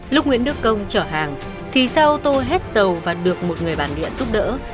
lúc nguyễn đức công chở hàng thì xe ô tô hết dầu và được một người bàn điện giúp đỡ